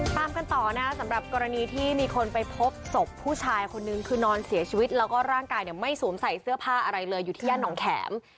ตามกันต่อนะครับสำหรับกรณีที่มีคนไปพบศพผู้ชายคนนึงคือนอนเสียชีวิตแล้วก็ร่างกายเนี่ยไม่สวมใส่เสื้อผ้าอะไรเลยอยู่ที่ย่านหนองแข็ม